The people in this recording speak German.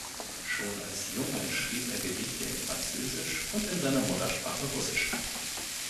Schon als Junge schrieb er Gedichte in Französisch und in seiner Muttersprache Russisch.